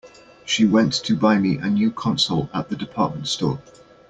She went to buy me a new console at the department store.